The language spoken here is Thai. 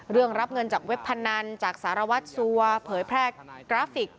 เรื่องรับเงินจากเว็บพันธ์นั้นจากศาลวักษณ์สั่วเผยแพร่กราฟิก